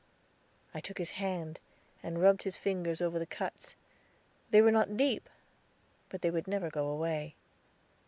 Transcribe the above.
I took his hand, and rubbed his fingers over the cuts; they were not deep, but they would never go away.